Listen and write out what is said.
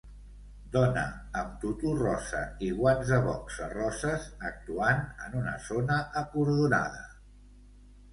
Dona amb tutú rosa i guants de boxa roses actuant en una zona acordonada.